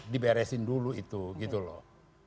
diberesin dulu itu gitu loh